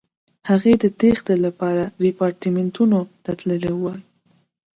هغه د تېښتې لپاره ریپارټیمنټو ته تللی وای.